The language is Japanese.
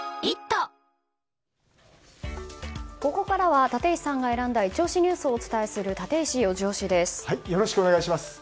ここからは立石さんが選んだイチ推しニュースをお伝えするよろしくお願いします。